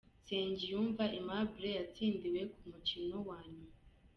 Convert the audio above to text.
Nsengiyumva Aimable yatsindiwe ku mukino wa nyuma.